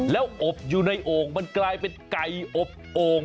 แล้วอบอยู่ในโอ่งมันกลายเป็นไก่อบโอ่ง